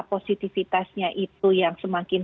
positifitasnya itu yang semakin